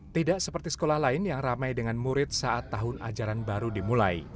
tidak seperti sekolah lain yang ramai dengan murid saat tahun ajaran baru dimulai